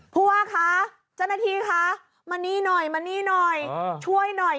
ผู้ว่าคะเจ้าหน้าที่คะมานี่หน่อยมานี่หน่อยช่วยหน่อย